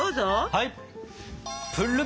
はい！